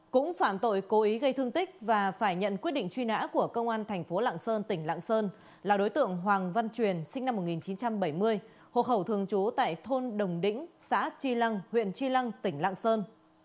cũng phạm tội cố ý gây thương tích và phải nhận quyết định truy nã của công an thành phố lạng sơn tỉnh lạng sơn là đối tượng hoàng văn truyền sinh năm một nghìn chín trăm bảy mươi hộ khẩu thường trú tại thôn đồng đĩnh xã tri lăng huyện tri lăng tỉnh lạng sơn